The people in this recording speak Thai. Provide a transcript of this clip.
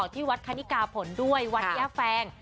ที่วัดคณิกาผลด้วยวัดย่าแฟง